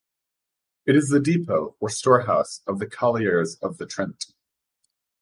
It is the depot, or storehouse, of the colliers of the Trent.